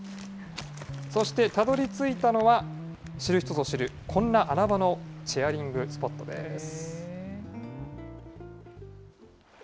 そして、たどりついたのは、知る人ぞ知る、こんな穴場のチェアリングスポットです。